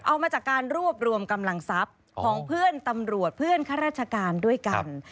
เอามาจากการรวบรวมกำลังทรัพย์ของเพื่อนตำรวจเพื่อนข้าราชการด้วยกัน